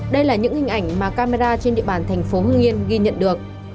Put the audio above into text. đây là những hình ảnh mà camera trên địa bàn tp hưng yên ghi nhận được